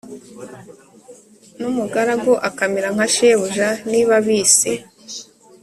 n umugaragu akamera nka shebuja niba bise